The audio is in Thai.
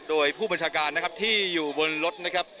โดยผู้บัญชาการนะครับที่อยู่บนรถนะครับ